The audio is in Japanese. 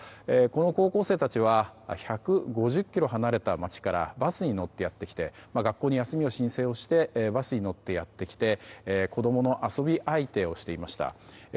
この高校生たちは１５０ｋｍ離れた街からバスに乗ってやってきて学校に休みの申請をしてバスに乗ってやってきて子供の遊び相手をしていました。